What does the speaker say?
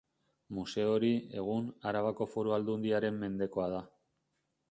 Museo hori, egun, Arabako Foru Aldundiaren mendekoa da.